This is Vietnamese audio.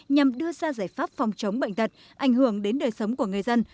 nhằm đưa ra giải pháp phòng chống bệnh tật ảnh hưởng đến đời sống của người dân